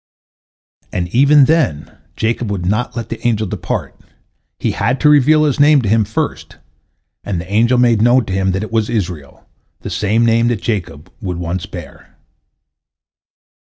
" And even then Jacob would not let the angel depart, he had to reveal his name to him first, and the angel made known to him that it was Israel, the same name that Jacob would once bear.